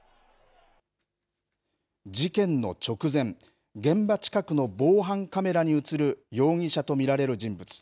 事件の直前、現場近くの防犯カメラに写る容疑者と見られる人物。